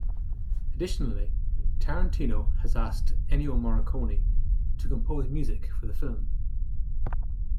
Additionally, Tarantino has asked Ennio Morricone to compose music for the film.